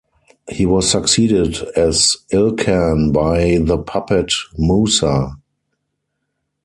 He was succeeded as Ilkhan by the puppet Musa.